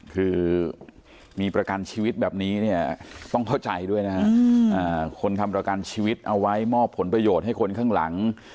คือมีประกันชีวิตแบบนี้เนี่ยต้องเข้าใจด้วยนะฮะคนทำประกันชีวิตเอาไว้มอบผลประโยชน์ให้คนข้างหลัง